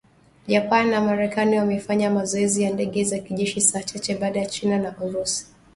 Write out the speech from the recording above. Japan na Marekani wamefanya mazoezi ya ndege za kijeshi saa chache baada ya China na Urusi